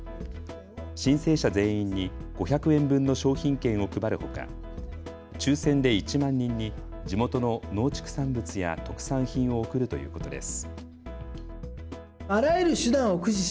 申請者全員に５００円分の商品券を配るほか抽せんで１万人に地元の農畜産物や特産品を贈るということです。